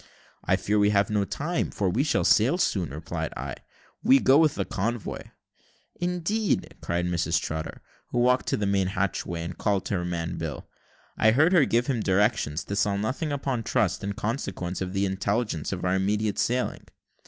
"I fear we have no time, we sail too soon," replied I; "we go with the convoy." "Indeed!" cried Mrs Trotter, who walked to the main hatchway and called to her man Bill. I heard her give him directions to sell nothing upon trust in consequence of the intelligence of our immediate sailing.